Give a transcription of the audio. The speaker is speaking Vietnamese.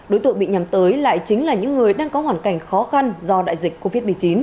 đối tượng bị nhắm tới lại chính là những người đang có hoàn cảnh khó khăn do đại dịch covid một mươi chín